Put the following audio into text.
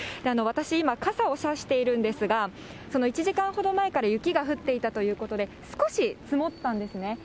私今、傘を差しているんですが、１時間ほど前から雪が降っていたということで、少し積もったんですね。